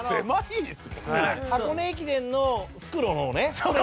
箱根駅伝の復路のほうね。